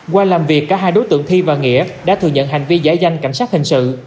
qua làm việc cả hai đối tượng thi và nghĩa đã thừa nhận hành vi giải danh cảnh sát hình sự